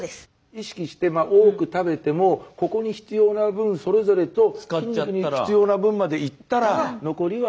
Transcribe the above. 意識して多く食べてもここに必要な分それぞれと筋肉に必要な分までいったら残りは。